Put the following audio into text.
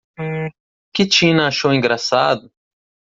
Que Tina achou engraçado!